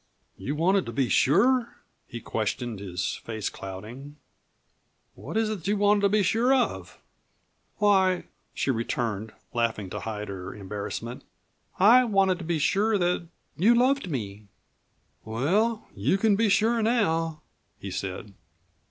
"You wanted to be sure?" he questioned, his face clouding. "What is it that you wanted to be sure of?" "Why," she returned, laughing to hide her embarrassment, "I wanted to be sure that you loved me!" "Well, you c'n be sure now," he said.